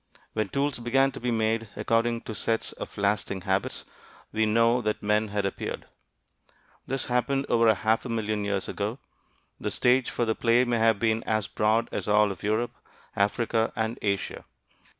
When tools began to be made according to sets of lasting habits, we know that men had appeared. This happened over a half million years ago. The stage for the play may have been as broad as all of Europe, Africa, and Asia.